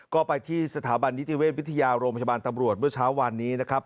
ก็ไปที่สถาบันนิติเวชวิทยาโรงพยาบาลตำรวจเมื่อเช้าวานนี้นะครับ